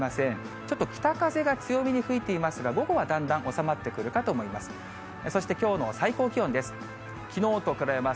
ちょっと北風が強めに吹いていますが、午後はだんだん収まってくるかと思います。